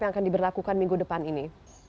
yang akan diberlakukan minggu depan ini